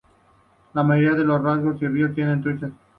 La mayoría de los lagos y ríos tienen truchas.